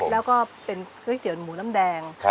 แล้วก็เป็นก๋วยเตี๋ยวหมูน้ำแดง